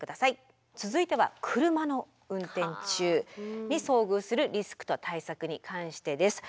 続いては車の運転中に遭遇するリスクと対策に関してです。